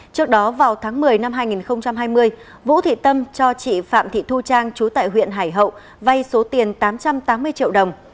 trước đó vào tháng một mươi năm hai nghìn hai mươi vũ thị tâm cho chị phạm thị thu trang chú tại huyện hải hậu vay số tiền tám trăm tám mươi triệu đồng